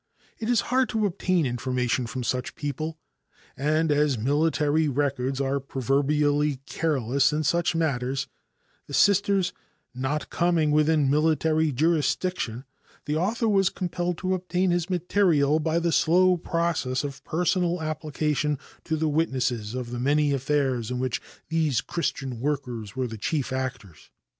It is hard to obtain information from such people, and as military records are proverbially careless in such matters, the Sisters not coming within military jurisdiction, the author was compelled to obtain his material by the slow process of personal application to the witnesses of the many affairs in which these Christian workers were the chief actors.